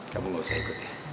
kamu nggak usah ikut ya